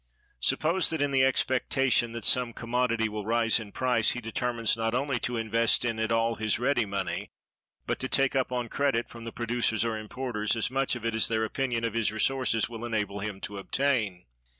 Suppose that, in the expectation that some commodity will rise in price, he determines not only to invest in it all his ready money, but to take up on credit, from the producers or importers, as much of it as their opinion of his resources will enable him to obtain.